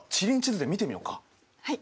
はい。